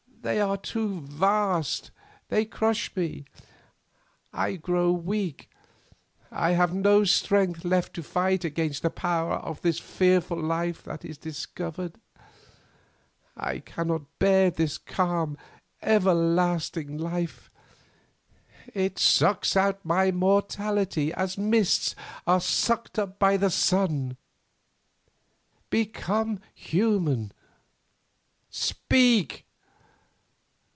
They are too vast; they crush me. I grow weak. I have no strength left to fight against the power of this fearful life that is discovered. I cannot bear this calm everlasting life. It sucks out my mortality as mists are sucked up by the sun. Become human. Speak.